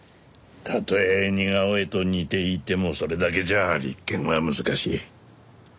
たとえ似顔絵と似ていてもそれだけじゃ立件は難しい。